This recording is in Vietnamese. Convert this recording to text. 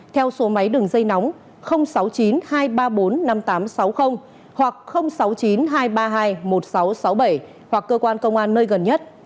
theo số máy đường dây nóng sáu mươi chín hai trăm ba mươi bốn năm nghìn tám trăm sáu mươi hoặc sáu mươi chín hai trăm ba mươi hai một nghìn sáu trăm sáu mươi bảy hoặc cơ quan công an nơi gần nhất